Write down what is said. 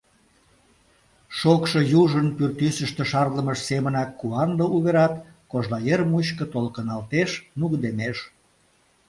Шокшо южын пӱртӱсыштӧ шарлымыж семынак куанле уверат Кожлаер мучко толкыналтеш, нугыдемеш.